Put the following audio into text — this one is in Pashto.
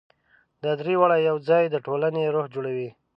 دا درې واړه یو ځای د ټولنې روح جوړوي.